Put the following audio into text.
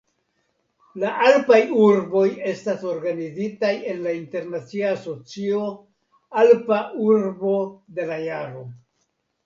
La Alpaj urboj estas organizitaj en la internacia asocio "Alpa Urbo de la Jaro".